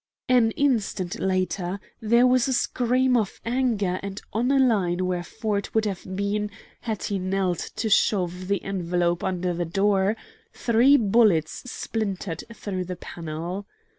An instant later there was a scream of anger and on a line where Ford would have been, had he knelt to shove the envelope under the door, three bullets splintered through the panel.